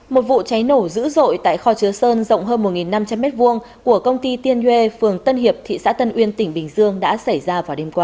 một vụ cháy nổ dữ dội tại kho chứa sơn rộng hơn một năm trăm linh m hai của công ty tiên duê phường tân hiệp thị xã tân uyên tỉnh bình dương đã xảy ra vào đêm qua